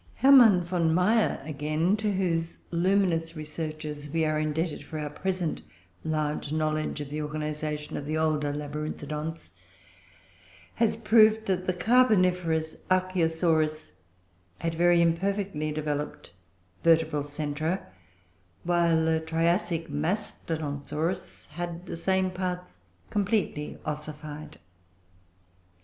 Hermann von Meyer, again, to whose luminous researches we are indebted for our present large knowledge of the organisation of the older Labyrinthodonts, has proved that the Carboniferous Archegosaurus had very imperfectly developed vertebral centra, while the Triassic Mastodonsaurus had the same parts completely ossified.